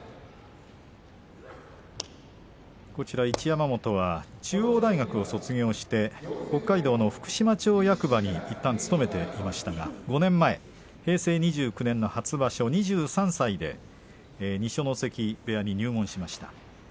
一山本は中央大学を卒業して北海道の福島町役場にいったん務めていましたが、５年前平成２９年の初場所２３歳で二所ノ関部屋に入門しました。